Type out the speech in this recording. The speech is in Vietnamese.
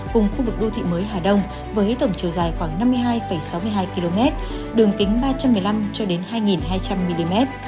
cùng khu vực đô thị mới hà đông với tổng chiều dài khoảng năm mươi hai sáu mươi hai km đường kính ba trăm một mươi năm cho đến hai hai trăm linh mm